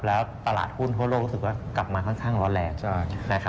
แล้วตลาดหุ้นทั่วโลกกลับมาค่อนข้างแรง